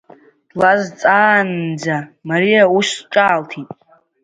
Длазҵаанӡа Мариа ус ҿаалҭит.